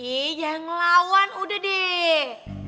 ih jangan lawan udah deh